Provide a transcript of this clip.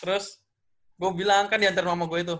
terus gue bilang kan diantarin mama gue itu